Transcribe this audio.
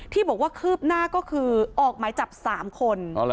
ที่บอกว่าคืบหน้าก็คือออกหมายจับ๓คน